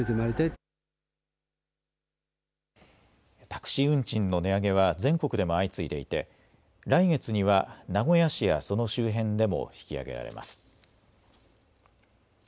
タクシー運賃の値上げは全国でも相次いでいて来月には名古屋市やその周辺でも引き上げられます。